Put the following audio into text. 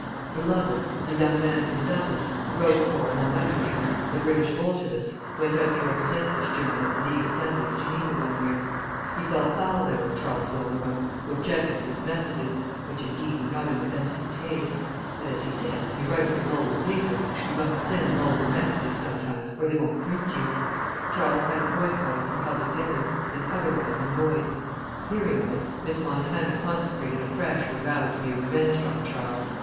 Her lover, a young man from Dublin, who wrote for, among other papers, the British Bolshevist, went out to represent this journal at the League Assembly at Geneva one year. He fell foul there of Charles Wilbraham, who objected to his messages, which, indeed, were not in the best of taste; but, as he said, if you write for vulgar papers you must send vulgar messages sometimes or they won't print you. Charles had him boycotted from public dinners, and otherwise annoyed. Hearing of it, Miss Montana consecrated afresh her vow to be revenged on Charles.